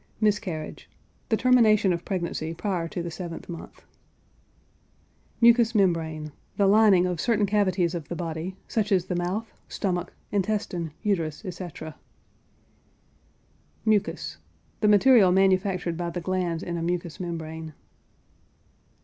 MISCARRIAGE. The termination of pregnancy prior to the seventh month. MUCOUS MEMBRANE. The lining of certain cavities of the body, such as the mouth, stomach, intestine, uterus, etc. MUCUS. The material manufactured by the glands in a mucous membrane.